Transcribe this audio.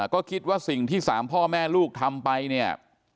ก็คิดว่าสิ่งที่๓พ่อแม่ลูกทำไปเนี่ย